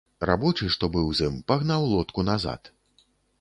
Рабочы, што быў з ім, пагнаў лодку назад.